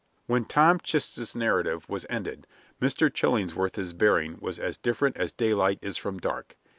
When Tom Chist's narrative was ended, Mr. Chillingsworth's bearing was as different as daylight is from dark.